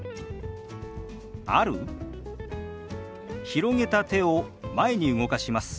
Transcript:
広げた手を前に動かします。